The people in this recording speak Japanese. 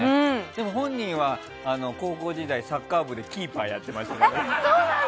でも本人は、高校時代サッカー部でキーパーやってましたからね。